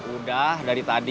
udah dari tadi